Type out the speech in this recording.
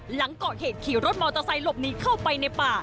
หลังก่อเหตุขี่รถมอเตอร์ไซค์หลบหนีเข้าไปในป่า